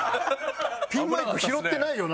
ピンマイク拾ってないよな？